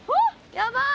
やばい！